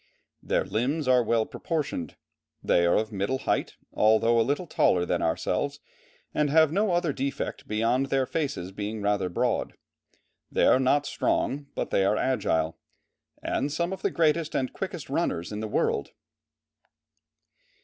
Their limbs are well proportioned, they are of middle height, although a little taller than ourselves, and have no other defect beyond their faces being rather broad; they are not strong, but they are agile, and some of the greatest and quickest runners in the world."